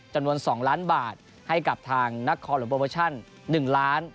จำนวน๒ล้านบาทให้กับทางนักคอลลุยโปรเวอร์ชัน๑ล้าน